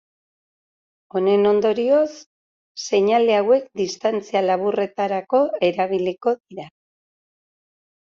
Honen ondorioz, Seinale hauek distantzia laburretarako erabiliko dira.